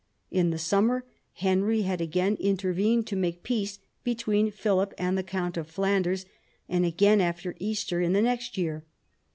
In the summer, Henry had again intervened to make peace between Philip and the count of Flanders, and again after Easter in the next year.